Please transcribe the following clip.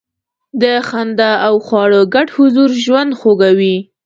د خندا او خواړو ګډ حضور ژوند خوږوي.